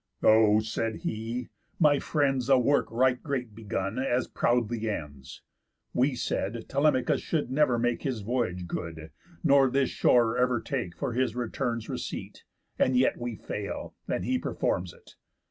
"O," said he, "my friends, A work right great begun, as proudly ends, We said, Telemachus should never make His voyage good, nor this shore ever take For his return's receipt; and yet we fail, And he performs it.